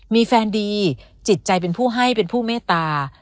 มีแฟนดีจิตใจเป็นผู้ให้เป็นผู้เมตตา